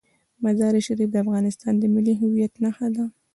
مزارشریف د افغانستان د ملي هویت نښه ده.